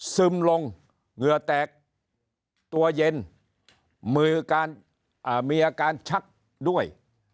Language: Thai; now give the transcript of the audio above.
ซึมลงเหงื่อแตกตัวเย็นมือการมีอาการชักด้วย